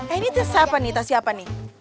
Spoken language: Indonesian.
eh ini tas siapa nih tas siapa nih